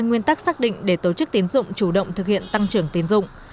nguyên tắc xác định để tổ chức tín dụng chủ động thực hiện tăng trưởng tín dụng